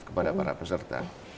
kepada para peserta